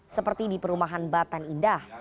seperti di perumahan batan indah